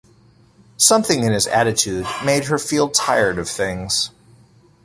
Something in his attitude made her feel tired of things.